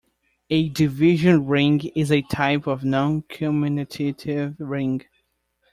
A division ring is a type of noncommutative ring.